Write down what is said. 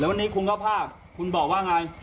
แล้ววันนี้คุณก็พาคุณบอกว่าไง